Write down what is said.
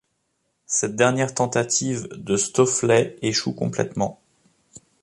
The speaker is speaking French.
Cette dernière tentative de Stofflet échoue complètement.